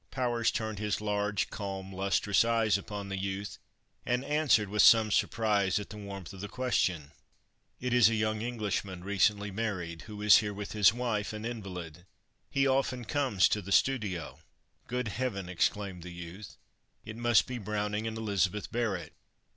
Powers turned his large, calm, lustrous eyes upon the youth, and answered, with some surprise at the warmth of the question: "It is a young Englishman, recently married, who is here with his wife, an invalid. He often comes to the studio." "Good Heaven!" exclaimed the youth, "it must be Browning and Elizabeth Barrett."